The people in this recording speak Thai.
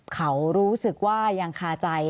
เขารู้สึกว่ายังคาใจ